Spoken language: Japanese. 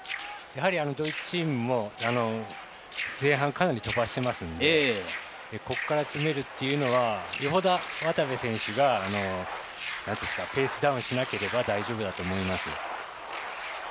ドイツチームも前半、かなり飛ばしていますのでここから詰めるというのはよほど渡部選手がペースダウンしなければ大丈夫だと思います。